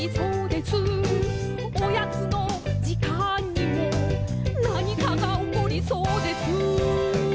「おやつのじかんにもなにかがおこりそうです」